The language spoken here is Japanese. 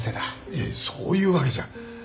いやそういうわけじゃ。